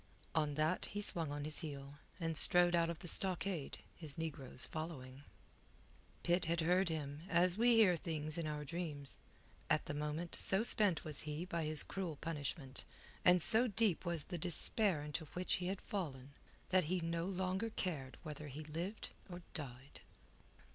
On that he swung on his heel, and strode out of the stockade, his negroes following. Pitt had heard him, as we hear things in our dreams. At the moment so spent was he by his cruel punishment, and so deep was the despair into which he had fallen, that he no longer cared whether he lived or died.